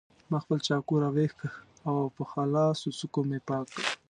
ما خپل چاقو راوکېښ او په خلاصو څوکو مې پاک کړ.